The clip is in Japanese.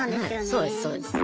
そうですそうです。